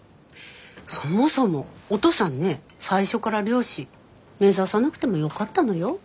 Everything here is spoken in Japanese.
そもそもおとうさんね最初から漁師目指さなくてもよかったのよ？